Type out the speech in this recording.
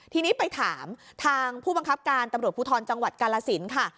ทีนี้ไปถามทางผู้บังคับการตำรวจภูทรจังหวัดกาลสินค่ะ